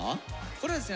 これはですね